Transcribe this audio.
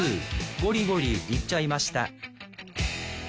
ゴリゴリいっちゃいました